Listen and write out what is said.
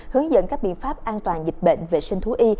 hướng dẫn các biện pháp an toàn dịch bệnh vệ sinh thú y